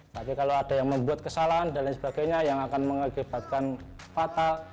tapi kalau ada yang membuat kesalahan dan lain sebagainya yang akan mengakibatkan fatal